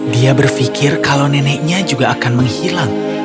dia berpikir kalau neneknya juga akan menghilang